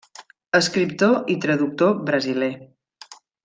Escriptor i traductor brasiler.